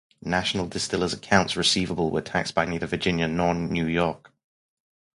National Distillers' accounts receivable were taxed by neither Virginia nor New York.